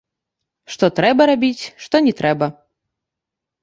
Што трэба рабіць, што не трэба.